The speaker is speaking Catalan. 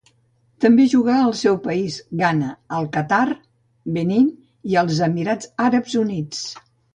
També jugà al seu país Ghana, al Qatar, Benín i als Emirats Àrabs Units.